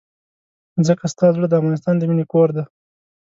ځکه ستا زړه د افغانستان د مينې کور دی.